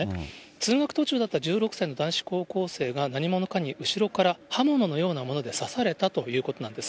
通学途中だった１６歳の男子高校生が、何者かに後ろから刃物のようなもので刺されたということなんです。